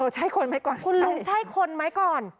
ใช่คนไหมก่อนคุณลุงใช่คนไหมก่อน